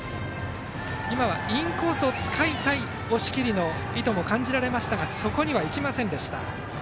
インコースを使いたいという、押切の意図も感じられましたがそこには行きませんでした。